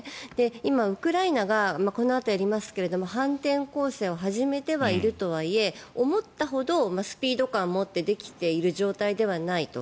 今、ウクライナがこのあとやりますが反転攻勢を始めてはいるとはいえ思ったほどスピード感を持ってできている状態ではないと。